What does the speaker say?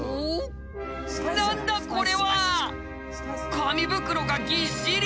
紙袋がぎっしり。